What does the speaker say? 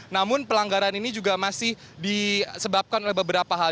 namun pelanggaran ini juga masih disebabkan oleh beberapa hal